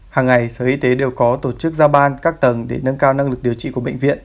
hàng ngày sở y tế đều có tổ chức giao ban các tầng để nâng cao năng lực điều trị của bệnh viện